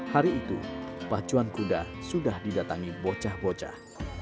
hari itu pacuan kuda sudah didatangi bocah bocah